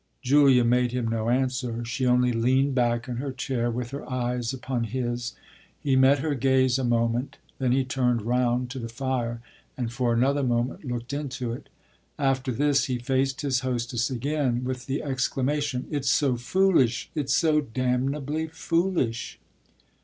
Julia made him no answer; she only leaned back in her chair with her eyes upon his. He met her gaze a moment; then he turned round to the fire and for another moment looked into it. After this he faced his hostess again with the exclamation: "It's so foolish it's so damnably foolish!"